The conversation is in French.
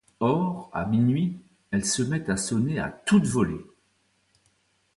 Or, à minuit, elle se met à sonner à toute volée.